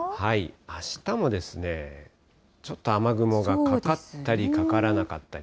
あしたもですね、ちょっと雨雲がかかったり、かからなかったり。